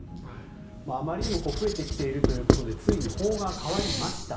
あまりにも増えてきているということでついに法が変わりました。